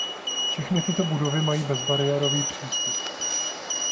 Všechny tyto budovy mají bezbariérový přístup.